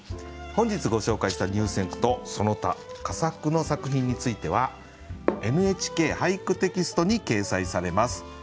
本日ご紹介した入選句とその他佳作の作品については「ＮＨＫ俳句」テキストに掲載されます。